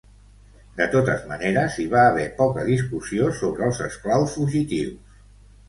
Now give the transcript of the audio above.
De totes maneres, hi va haver poca discussió sobre els esclaus fugitius.